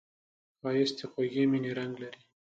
ښایست د خوږې مینې رنګ لري